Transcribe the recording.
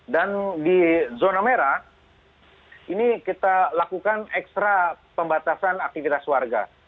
dan di zona merah ini kita lakukan ekstra pembatasan aktivitas warga